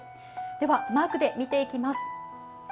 では、マークで見ていきます。